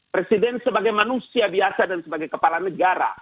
presiden sebagai manusia biasa dan sebagai kepala negara